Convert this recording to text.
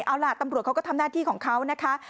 เอาล่ะตำรวจเขาก็ทำหน้าที่ของเขานะคะ